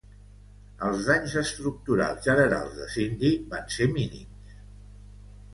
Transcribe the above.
Els danys estructurals generals de Cindy van ser mínims.